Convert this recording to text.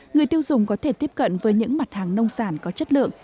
người tiêu dùng có thể tiếp cận với những mặt hàng nông sản có chất lượng